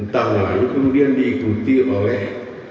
tahun lalu kemudian diikuti oleh